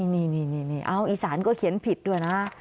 นี่นี่นี่นี่เอ้าอีสานก็เขียนผิดด้วยนะ